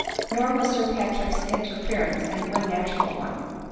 Nor was Sir Patrick's in ference an unnatural one.